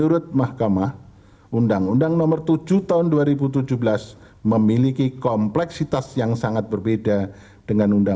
perbedaan yang mudah terjadikan ut pointed tersebut hanya menjadi penyebab nujuan arthritis